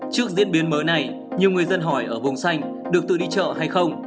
trước diễn biến mới này nhiều người dân hỏi ở vùng xanh được tự đi chợ hay không